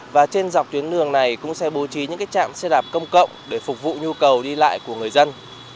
và trên dọc tuyến đường này cũng sẽ bố trí những chạm xe đạp công cộng để phục vụ nhu cầu đi lại của người dân